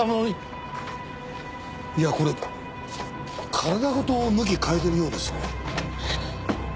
いやこれ体ごと向きを変えてるようですね。